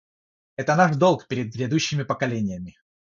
Это наш долг перед грядущими поколениями.